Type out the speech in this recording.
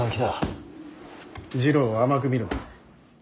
次郎を甘く見るな。